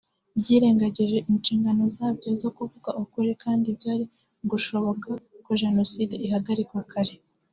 byirengagije inshingano zabyo zo kuvuga ukuri kandi byari gushoboka ko Jenoside ihagarikwa kare